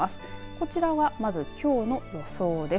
こちらはまずきょうの予想です。